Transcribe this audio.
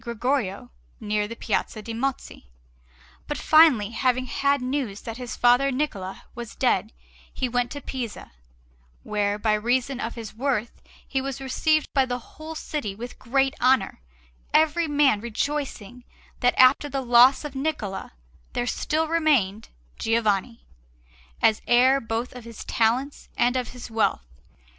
Gregorio near the Piazza de' Mozzi. But finally, having had news that his father Niccola was dead, he went to Pisa, where, by reason of his worth, he was received by the whole city with great honour, every man rejoicing that after the loss of Niccola there still remained Giovanni, as heir both of his talents and of his wealth.